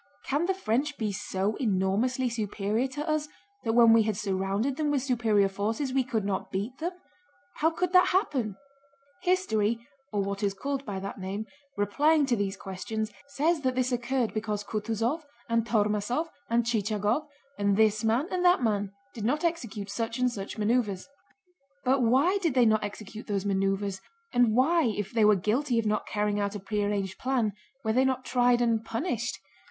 Can the French be so enormously superior to us that when we had surrounded them with superior forces we could not beat them? How could that happen? History (or what is called by that name) replying to these questions says that this occurred because Kutúzov and Tormásov and Chichagóv, and this man and that man, did not execute such and such maneuvers.... But why did they not execute those maneuvers? And why if they were guilty of not carrying out a prearranged plan were they not tried and punished?